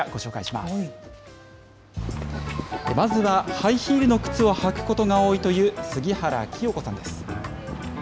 まずはハイヒールの靴を履くことが多いという杉原希世子さんです。